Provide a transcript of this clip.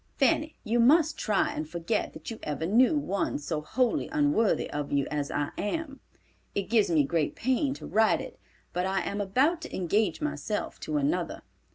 Fanny, you must try and forget that you ever knew one so wholly unworthy of you as I am. It gives me great pain to write it, but I am about to engage myself to another.